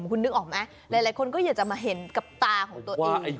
คุณนึกออกไหมหลายคนก็อยากจะมาเห็นกับตาของตัวเอง